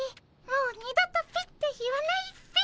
もう二度と「ピッ」て言わないっピ。